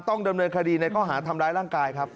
ต้องดำเนินคดีในข้อหาทำร้ายร่างกายครับ